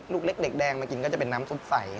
ลูกเล็กแดงมากินก็จะเป็นน้ำซุปใสครับผม